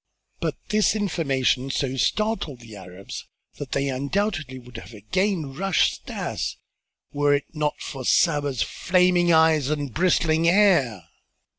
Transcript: But this information so startled the Arabs that they undoubtedly would have again rushed at Stas were it not for Saba's flaming eyes and bristling hair.